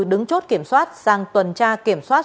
đứng chốt kiểm soát sang tuần tra kiểm soát